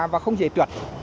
và không dễ trượt